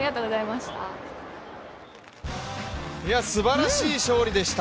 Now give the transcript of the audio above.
すばらしい勝利でした。